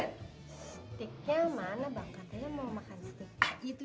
hai setiap mana banget mau makan itu